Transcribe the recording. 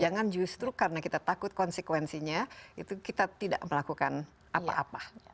jangan justru karena kita takut konsekuensinya itu kita tidak melakukan apa apa